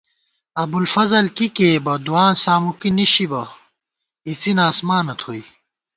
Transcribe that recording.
ابوالفضل کی کېئیبہ، دُعاں سامُکی نِشِبہ، اِڅِنہ آسمانہ تھوئی